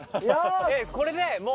これでもう。